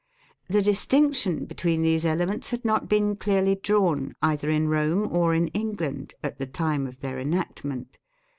The distinction between these elements had not been clearly drawn, either in Rome or in England, at the time of their enactment.